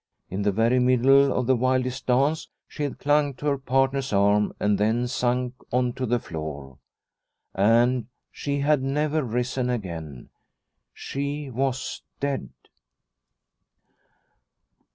In the very middle of the wildest dance she had clung to her partner's arm and then sunk on to the floor. And she had never risen again. She was dead.